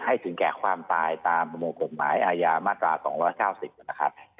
ถึงแก่ความตายตามประมวลกฎหมายอาญามาตรา๒๙๐นะครับ